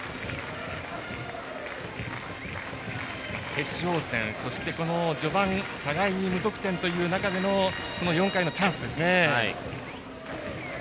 決勝戦、そしてこの序盤互いに無得点という中での４回のチャンス。